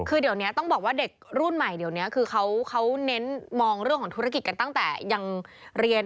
คือเดี๋ยวนี้ต้องบอกว่าเด็กรุ่นใหม่เดี๋ยวนี้คือเขาเน้นมองเรื่องของธุรกิจกันตั้งแต่ยังเรียน